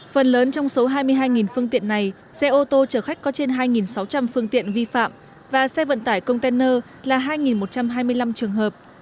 phần lớn trong số hai mươi hai phương tiện này xe ô tô chở khách có trên hai sáu trăm linh phương tiện vi phạm và xe vận tải container là hai một trăm hai mươi năm trường hợp